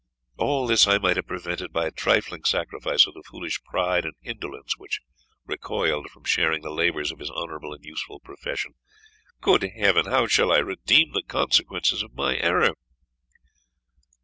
All this I might have prevented by a trifling sacrifice of the foolish pride and indolence which recoiled from sharing the labours of his honourable and useful profession. Good Heaven! how shall I redeem the consequences of my error?"